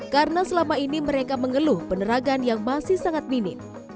karena selama ini mereka mengeluh penerangan yang masih sangat minim